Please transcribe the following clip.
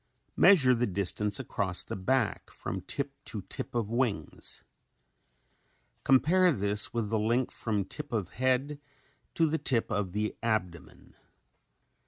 Measure the distance across the back from tip to tip of wings. Compare this with the length from tip of head to the tip of the abdomen.